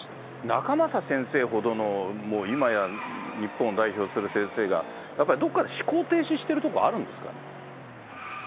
仲正先生ほどの、もう今や日本を代表する先生が、やっぱりどこかで思考停止してるところあるんですかね。